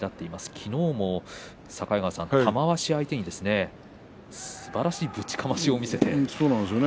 昨日も境川さん、玉鷲相手にすばらしいぶちかましを見せましたね。